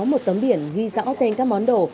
một tấm biển ghi rõ tên các món đồ